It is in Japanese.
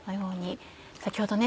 先ほどね